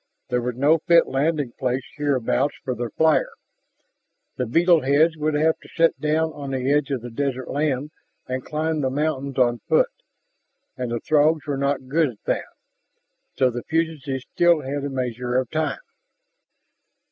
There was no fit landing place hereabouts for their flyer. The beetle heads would have to set down at the edge of the desert land and climb the mountains on foot. And the Throgs were not good at that. So, the fugitives still had a measure of time.